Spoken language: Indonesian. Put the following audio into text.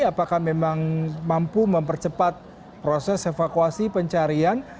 apakah memang mampu mempercepat proses evakuasi pencarian